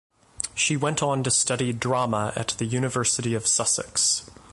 She went on to study drama at the University of Sussex.